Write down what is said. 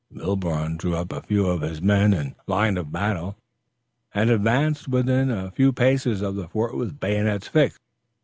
Milborne drew up a few of his men in line of battle and advanced to within a few paces of the fort with bayonets fixed.